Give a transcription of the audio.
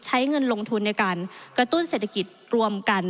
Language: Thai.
ใช้เงินลงทุนในการกระตุ้นเศรษฐกิจรวมกัน